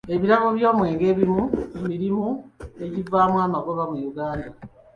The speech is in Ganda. Ebirabo by'omwenge by'ebimu ku mirimu egivaamu amagoba mu Uganda.